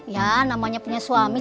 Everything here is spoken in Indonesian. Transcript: ya namanya punya suami